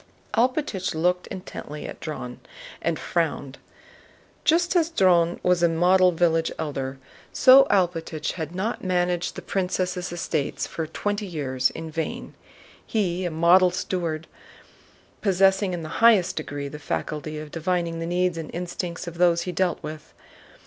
Alpátych looked intently at Dron and frowned. Just as Dron was a model village Elder, so Alpátych had not managed the prince's estates for twenty years in vain. He was a model steward, possessing in the highest degree the faculty of divining the needs and instincts of those he dealt with.